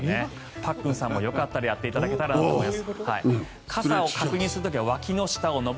パックンさんもよかったらやっていただけたらと思います。